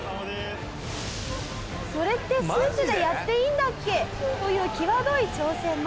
それってスーツでやっていいんだっけ？という際どい挑戦も。